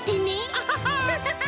アハハッ！